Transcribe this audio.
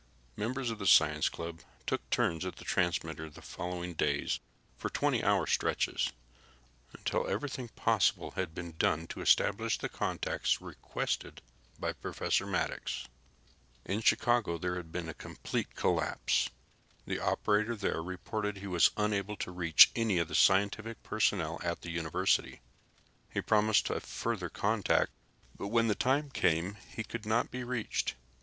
Members of the science club took turns at the transmitter the following days for 20 hour stretches, until everything possible had been done to establish the contacts requested by Professor Maddox. In Chicago there appeared to have been a complete collapse. The operator there reported he was unable to reach any of the scientific personnel at the university. He promised a further contact, but when the time came he could not be reached.